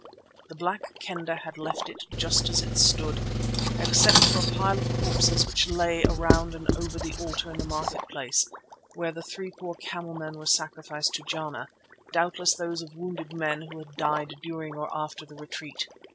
The Black Kendah had left it just as it stood, except for a pile of corpses which lay around and over the altar in the market place, where the three poor camelmen were sacrificed to Jana, doubtless those of wounded men who had died during or after the retreat.